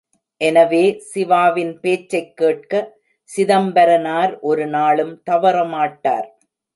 எனவே, சிவாவின் பேச்சைக் கேட்க சிதம்பரனார் ஒருநாளும் தவறமாட்டார்.